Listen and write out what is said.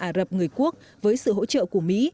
ả rập người quốc với sự hỗ trợ của mỹ